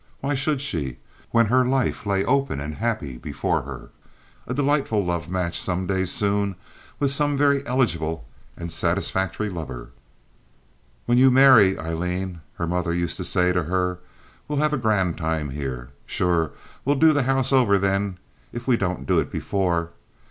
Why should she, when her life lay open and happy before her—a delightful love match, some day soon, with some very eligible and satisfactory lover? "When you marry, Aileen," her mother used to say to her, "we'll have a grand time here. Sure we'll do the house over then, if we don't do it before.